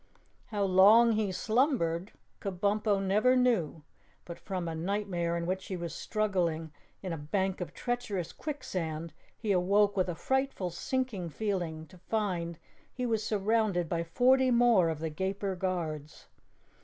How long he slumbered Kabumpo never knew, but from a nightmare in which he was struggling in a bank of treacherous quicksand, he awoke with a frightful sinking feeling to find he was surrounded by forty more of the Gaper Guards.